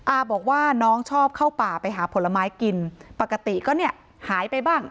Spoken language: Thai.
อาบอกว่าน้องชอบเข้าป่าไปหาผลไม้กินปกติก็เนี่ยหายไปบ้าง